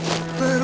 aku akan pergi